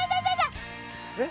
えっ？